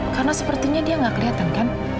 karena sepertinya dia gak kelihatan kan